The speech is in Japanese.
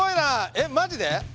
えっマジで？